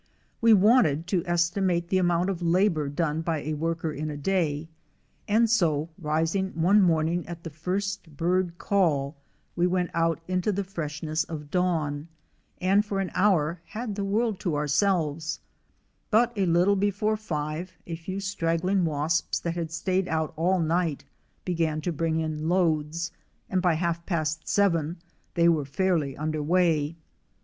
We wanted to estimate the amount of labor done by a worker in a day, and so, rising one morning at the first bird call, we went out into the freshness of dawn, and for an hour had the world to ourselves; but a little before five a few straggling wasps that had stayed out all night began to bring in loads, and by half past seven they were fairly under way.